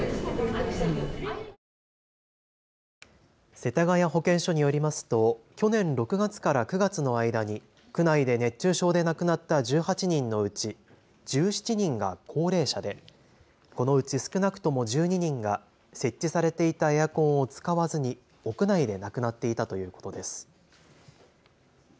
世田谷保健所によりますと去年６月から９月の間に区内で熱中症で亡くなった１８人のうち１７人が高齢者でこのうち少なくとも１２人が設置されていたエアコンを使わずに屋内で亡くなっていたということです。